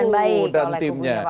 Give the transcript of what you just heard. kubu kamu dan timnya